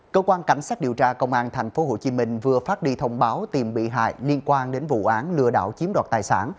cơ quan cảnh sát điều tra công an tp hcm vừa phát đi thông báo tìm bị hại liên quan đến vụ án lừa đảo chiếm đoạt tài sản